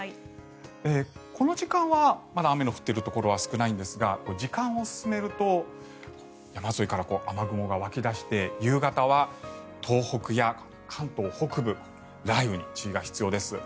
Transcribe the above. この時間はまだ雨の降っているところは少ないんですが時間を進めると山沿いから雨雲が湧き出して夕方は東北や関東北部雷雨に注意が必要です。